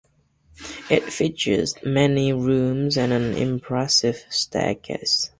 It features many rooms and an impressive staircase.